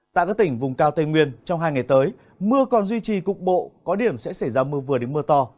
tại các tỉnh vùng cao tây nguyên trong hai ngày tới mưa còn duy trì cục bộ có điểm sẽ xảy ra mưa vừa đến mưa to